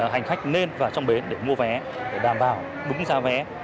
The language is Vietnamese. hành khách nên vào trong bến để mua vé để đàm vào đúng ra vé